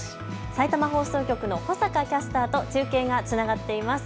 さいたま放送局の保坂キャスターと中継がつながっています。